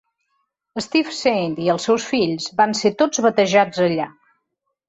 Steve Saint i els seus fills van ser tots batejats allà.